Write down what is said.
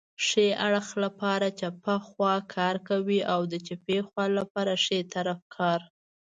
ښي اړخ لپاره چپه خواکار کوي او د چپې خوا لپاره ښی طرف کار